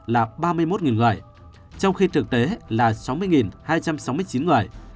là ba mươi một người trong khi thực tế là sáu mươi hai trăm sáu mươi chín người